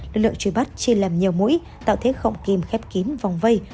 lực lượng trí bắt chiên làm nhiều mũi tạo thế khọng kim khép kín vòng vây